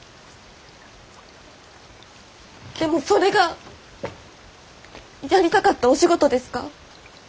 でもそれがやりたかったお仕事ですか？